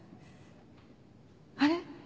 あれ？